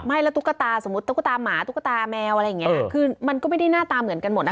ไม่แล้วตุ๊กตาสมมุติตุ๊กตาหมาตุ๊กตาแมวอะไรอย่างเงี้ยคือมันก็ไม่ได้หน้าตาเหมือนกันหมดนะ